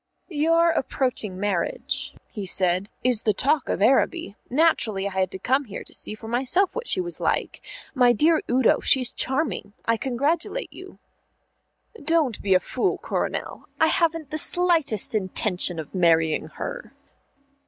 "Your approaching marriage," he said, "is the talk of Araby. Naturally I had to come here to see for myself what she was like. My dear Udo, she's charming; I congratulate you." "Don't be a fool, Coronel. I haven't the slightest intention of marrying her."